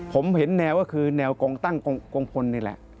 ผมเห็นแนวก็คือแนวกองตั้งกงพลนี่แหละ